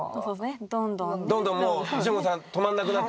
どんどんもう淳子さん止まんなくなっていくの？